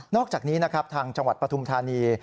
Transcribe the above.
อกจากนี้นะครับทางจังหวัดปฐุมธานี